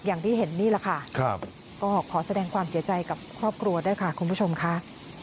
อย่างที่เห็นนี่แหละค่ะก็ขอแสดงความเสียใจกับครอบครัวด้วยค่ะคุณผู้ชมค่ะ